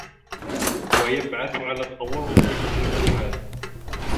وَيَبْعَثُ عَلَى التَّوَرُّطِ فِي الشُّبُهَاتِ